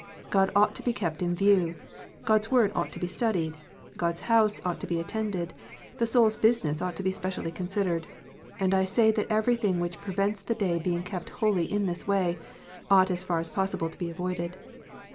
God ought to be kept in view ; God s Word ought to be studied ; God s House ought to be attended ; the soul s business ought to be specially considered ; and I say that everything which prevents the day being kept holy in this way, ought as far as possible to be avoided.